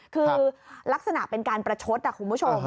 คือลักษณะเป็นการประชดคุณผู้ชม